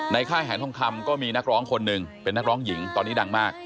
ค่ายแหนทองคำก็มีนักร้องคนหนึ่งเป็นนักร้องหญิงตอนนี้ดังมาก